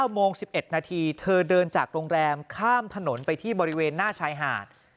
โมง๑๑นาทีเธอเดินจากโรงแรมข้ามถนนไปที่บริเวณหน้าชายหาด